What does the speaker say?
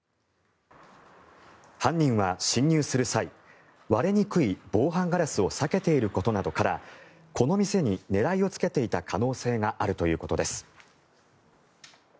犯人は侵入する際割れにくい防犯ガラスを避けていることなどからこの店に狙いをつけていた可能性があるということです。